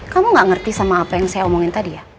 kamu gak ngerti sama apa yang saya omongin tadi ya